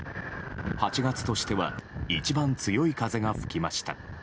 ８月としては一番強い風が吹きました。